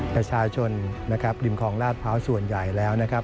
ประชาชนริมคลองราศพร้าวส่วนใหญ่แล้ว